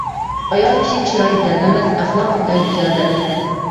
ئايال كىشى چىرايى بىلەن ئەمەس ئەخلاقى بىلەن گۈزەل دەپ.